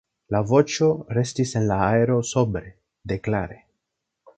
La voĉo restis en la aero sobre, deklare.